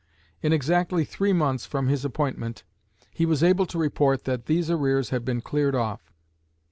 In exactly three months from his appointment he was able to report that these arrears had been cleared off.